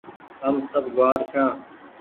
هم سب گوآر ڇآن